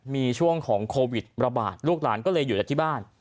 มีช่วงของโควิดระบาดลูกหลานก็เลยอยู่แต่ที่บ้าน